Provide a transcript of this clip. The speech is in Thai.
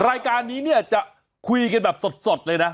รายการนี้เนี่ยจะคุยกันแบบสดเลยนะ